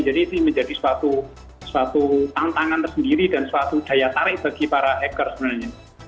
jadi ini menjadi suatu tantangan tersendiri dan suatu daya tarik bagi para hacker sebenarnya